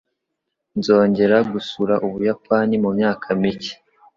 Nzongera gusura Ubuyapani mumyaka mike.